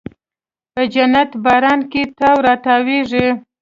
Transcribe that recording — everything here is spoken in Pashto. په جنتي باران کې تاو راتاویږې